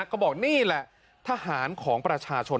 ก็บอกนี่แหละทหารของประชาชน